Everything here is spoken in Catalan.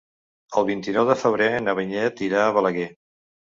El vint-i-nou de febrer na Vinyet irà a Balaguer.